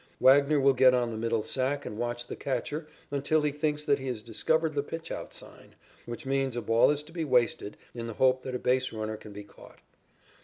Wagner will get on the middle sack and watch the catcher until he thinks that he has discovered the pitchout sign, which means a ball is to be wasted in the hope that a base runner can be caught.